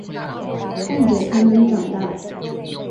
看着他长大